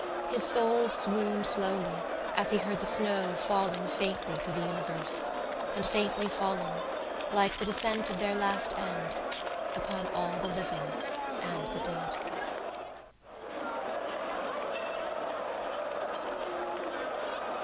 His soul swooned slowly as he heard the snow falling faintly through the universe and faintly falling, like the descent of their last end, upon all the living and the dead.